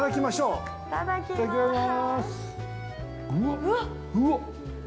◆うわっ。